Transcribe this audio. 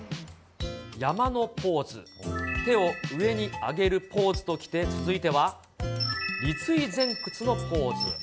山のポーズ、手を上に上げるポーズときて、続いては、立位前屈のポーズ。